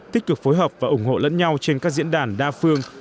tích cực phối hợp và ủng hộ lẫn nhau trên các diễn đàn đa phương